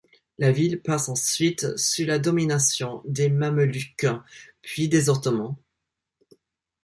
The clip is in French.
La ville passe ensuite sous la domination des Mamelouks, puis des Ottomans.